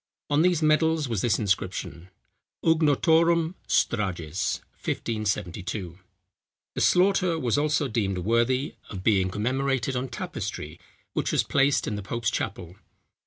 On these medals, was this inscription, "Ugonottorum Strages, 1572." The slaughter was also deemed worthy of being commemorated on tapestry, which was placed in the pope's chapel.